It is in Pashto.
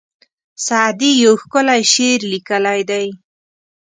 سعدي یو ښکلی شعر لیکلی دی.